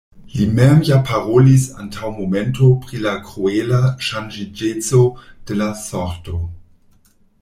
Li mem ja parolis antaŭ momento pri la kruela ŝanĝiĝeco de la sorto!